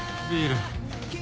ビール！